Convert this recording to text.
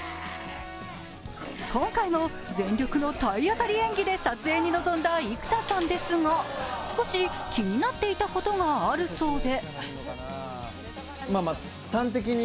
今回も全力体当たり演技で撮影に臨んだ生田さんですが少し気になっていたことがあるそうで。